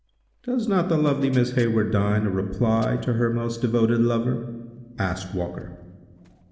"Does not the lovely Miss Hayward deign a reply to her most devoted lover?" asked Walker.